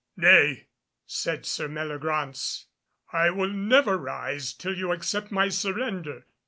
"Nay," said Sir Meliagraunce, "I will never rise till you accept my surrender."